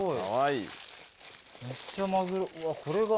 めっちゃマグロ。